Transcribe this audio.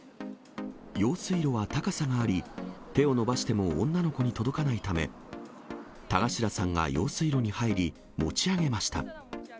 用水路は高さがあり、手を伸ばしても女の子に届かないため、田頭さんが用水路に入り、持ち上げました。